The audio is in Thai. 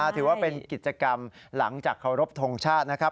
ถือว่าเป็นกิจกรรมหลังจากเคารพทงชาตินะครับ